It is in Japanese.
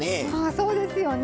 そうですよね。